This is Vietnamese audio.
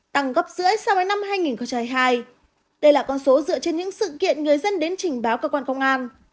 tăng gấp giữa sau năm hai nghìn hai đây là con số dựa trên những sự kiện người dân đến trình báo cơ quan công an